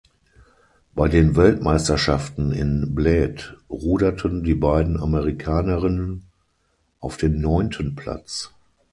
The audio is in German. Bei den Weltmeisterschaften in Bled ruderten die beiden Amerikanerinnen auf den neunten Platz.